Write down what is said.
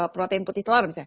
protein putih telur misalnya